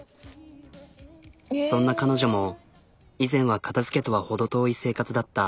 そんな彼女も以前は片づけとは程遠い生活だった。